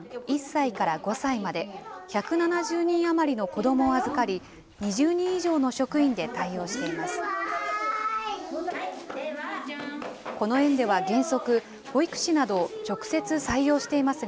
１歳から５歳まで、１７０人余りの子どもを預かり、２０人以上の職員で対応しています。